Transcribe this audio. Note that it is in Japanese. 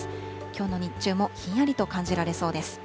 きょうの日中もひんやりと感じられそうです。